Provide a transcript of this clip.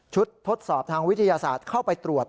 ทดสอบทางวิทยาศาสตร์เข้าไปตรวจ